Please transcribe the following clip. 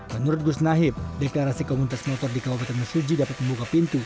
menurut gus nahib deklarasi komunitas motor di kabupaten mesuji dapat membuka pintu